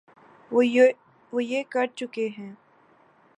وہ یہ کر چکے ہیں۔